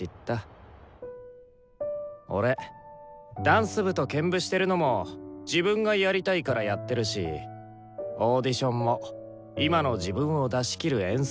俺ダンス部と兼部してるのも自分がやりたいからやってるしオーディションも今の自分を出し切る演奏ができた。